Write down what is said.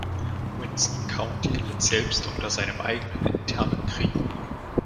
Winston County litt selbst unter seinem eigenen internen Krieg.